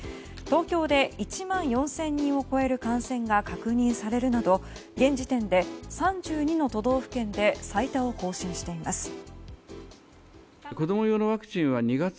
東京で１万４０００人を超える感染が確認されるなど現時点で３２の都道府県で最多を更新しています。